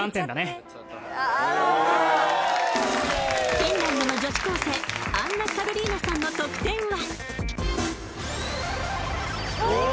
フィンランドの女子高生アンナカロリーナさんの得点は？